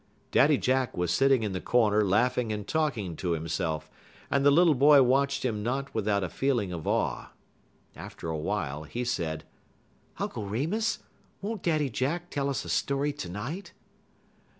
Daddy Jack was sitting in the corner laughing and talking to himself, and the little boy watched him not without a feeling of awe. After a while he said: "Uncle Remus, won't Daddy Jack tell us a story to night?"